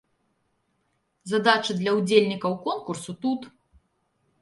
Задачы для ўдзельнікаў конкурсу тут.